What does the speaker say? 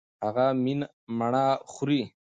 هغه مڼه خوري.